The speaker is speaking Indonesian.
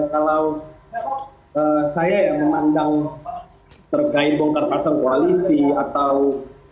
kalau saya yang memandang terkait bongkar pasang koalisi atau